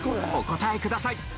お答えください。